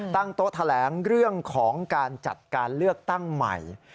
ตั้งโต๊ะแถลงเรื่องของการจัดการเลือกตั้งใหม่